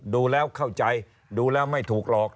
ดูแล้วเข้าใจดูแล้วไม่ถูกหลอก